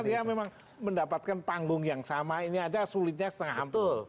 karena dia memang mendapatkan panggung yang sama ini saja sulitnya setengah hampir